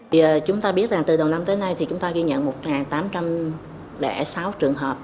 giờ chúng ta biết rằng từ đầu năm tới nay thì chúng ta ghi nhận một tám trăm linh sáu trường hợp